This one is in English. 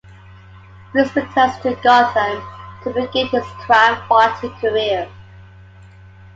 Bruce returns to Gotham to begin his crime-fighting career.